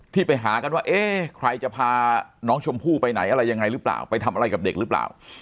ที่ไปหากันว่าเอ๊ะใครจะพาน้องชมพู่ไปไหนอะไรยังไงหรือเปล่าไปทำอะไรกับเด็กหรือเปล่า